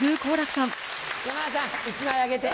山田さん１枚あげて。